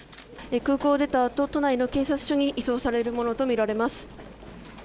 空港を出たあと都内の警察署に移送されるものと思われます。